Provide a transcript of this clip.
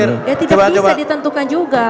ya tidak bisa ditentukan juga